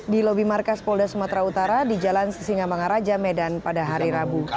di lobi markas polda sumatera utara di jalan sisingamangaraja medan pada hari rabu